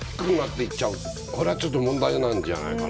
これはちょっと問題なんじゃないかな。